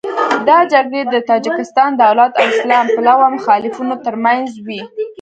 دا جګړې د تاجکستان دولت او اسلام پلوه مخالفینو تر منځ وې.